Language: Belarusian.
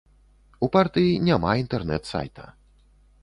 У партыі няма інтэрнэт сайта.